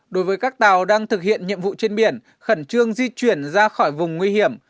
đối với các tàu đang thực hiện nhiệm vụ trên biển khẩn trương di chuyển ra khỏi vùng nguy hiểm